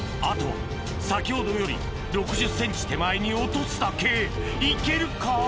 あとは先ほどより６０ｃｍ手前に落とすだけ行けるか？